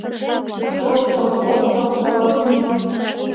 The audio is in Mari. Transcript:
Шоткым-шоткым шолотник